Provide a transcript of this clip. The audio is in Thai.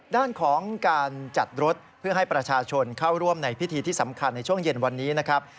ด้านของการจัดรถเพื่อให้ประชาชนเข้าร่วมในพิธีที่สำคัญในช่วงเย็นวันนี้นะครับ